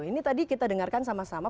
ini tadi kita dengarkan sama sama